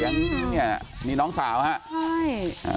ตัวเล็กตะโกนเสียงเนี้ยนี่น้องสาวฮะใช่